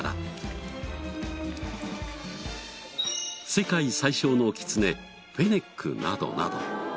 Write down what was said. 世界最小のキツネフェネックなどなど。